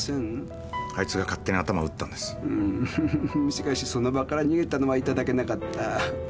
しかしその場から逃げたのはいただけなかった。